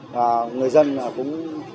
và người dân cũng